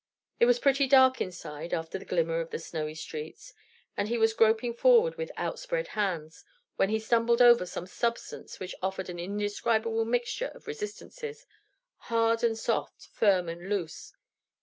It was pretty dark inside, after the glimmer of the snowy streets, and he was groping forward with outspread hands, when he stumbled over some substance which offered an indescribable mixture of resistances, hard and soft, firm and loose.